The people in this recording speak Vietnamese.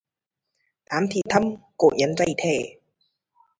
Tham thì thâm, cổ nhân dạy thế